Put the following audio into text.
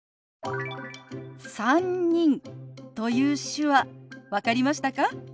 「３人」という手話分かりましたか？